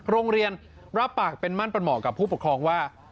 โรงเรียนรับปากเป็นมั่นประมาทกับผู้ปกครองว่า